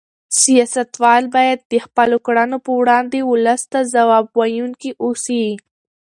سیاستوال باید د خپلو کړنو په وړاندې ولس ته ځواب ویونکي اوسي.